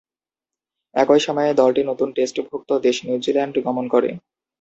একই সময়ে দলটি নতুন টেস্টভূক্ত দেশ নিউজিল্যান্ড গমন করে।